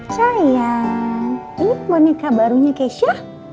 sayang ini menikah barunya keisha